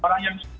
kalau di televisi